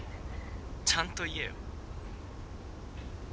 ちゃんと言えよ。